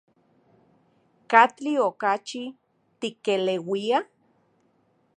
¿Katli okachi tikeleuia?